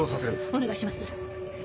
お願いします。